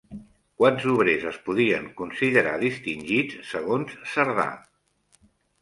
Quants obrers es podien considerar distingits segons Cerdà?